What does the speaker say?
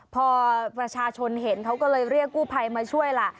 พอประชาชนเห็นเขาก็เลยเรียกกู้ภัยมาช่วยล่ะ